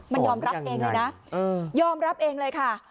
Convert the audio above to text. มันยอมรับเองเลยนะยอมรับเองเลยค่ะ